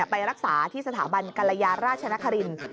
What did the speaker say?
ไปรักษาที่สถาบันกรยาราชนครินทร์